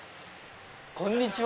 こんにちは。